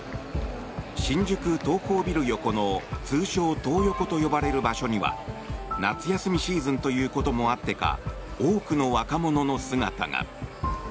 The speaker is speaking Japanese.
新宿東宝ビル横の通称・トー横と呼ばれる場所には夏休みシーズンということもあってか多くの若者の姿が。